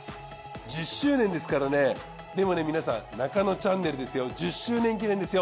１０周年ですからねでもね皆さん『ナカノチャンネル』ですよ１０周年記念ですよ。